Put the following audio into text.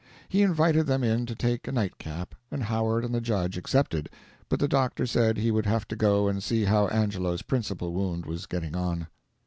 He invited them in to take a nightcap, and Howard and the judge accepted, but the doctor said he would have to go and see how Angelo's principal wound was getting on.